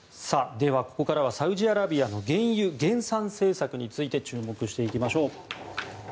では、ここからはサウジアラビアの原油減産政策について注目していきましょう。